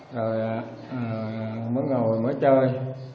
rồi mới ngồi mới chơi